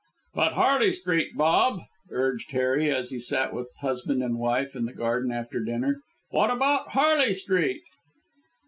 "But Harley Street, Bob," urged Harry, as he sat with husband and wife in the garden after dinner. "What about Harley Street?"